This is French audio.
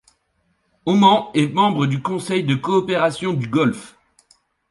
Oman est membre du Conseil de coopération du Golfe.